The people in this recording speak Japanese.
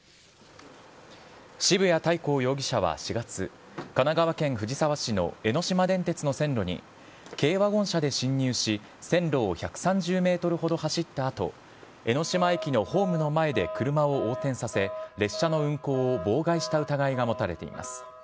渋谷大皇容疑者は４月、神奈川県藤沢市の江ノ島電鉄の線路に軽ワゴン車で進入し、線路を１３０メートルほど走ったあと、江ノ島駅のホームの前で車を横転させ、列車の運行を妨害した疑いが持たれています。